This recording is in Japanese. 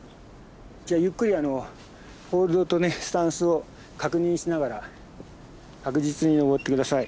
じゃあゆっくりホールドとねスタンスを確認しながら確実に登って下さい。